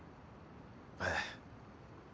ええ。